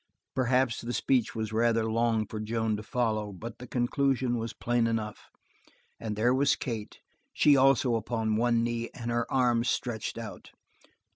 Perhaps the speech was rather long for Joan to follow, but the conclusion was plain enough; and there was Kate, she also upon one knee and her arms stretched out.